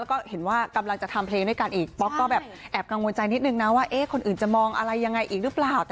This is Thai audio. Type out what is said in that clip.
แล้วก็เห็นว่ากำลังจะทำเพลงด้วยกันอีกป๊อกก็แบบแอบกังวลใจนิดนึงนะว่าคนอื่นจะมองอะไรยังไงอีกหรือเปล่า